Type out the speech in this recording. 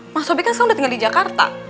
mas robi kan sekarang udah tinggal di jakarta